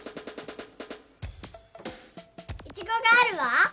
イチゴがあるわ。